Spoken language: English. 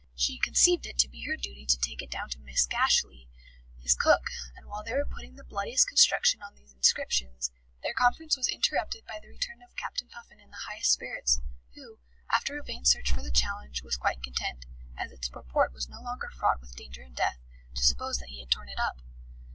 She conceived it to be her duty to take it down to Mrs. Gashly, his cook, and while they were putting the bloodiest construction on these inscriptions, their conference was interrupted by the return of Captain Puffin in the highest spirits, who, after a vain search for the challenge, was quite content, as its purport was no longer fraught with danger and death, to suppose that he had torn it up.